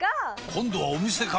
今度はお店か！